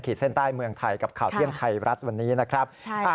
เส้นใต้เมืองไทยกับข่าวเที่ยงไทยรัฐวันนี้นะครับ